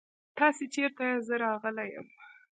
تاسې چيرته ياست؟ زه راغلی يم.